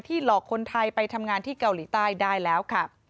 หลอกคนไทยไปทำงานที่เกาหลีใต้ได้แล้วค่ะ